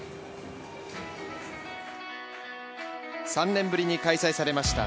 ３年ぶりに開催されました